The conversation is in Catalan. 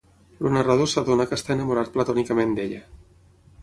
El narrador s'adona que està enamorat platònicament d'ella.